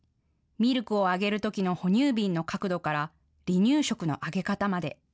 ミルクをあげるときの哺乳瓶の角度から離乳食のあげ方まで。